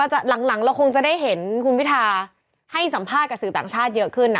หลังเราคงจะได้เห็นคุณพิทาให้สัมภาษณ์กับสื่อต่างชาติเยอะขึ้นนะ